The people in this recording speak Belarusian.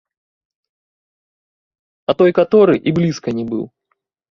А той каторы і блізка не быў.